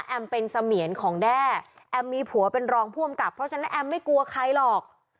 เป็นเสมียนของแด้แอมมีผัวเป็นรองผู้อำกับเพราะฉะนั้นแอมไม่กลัวใครหรอก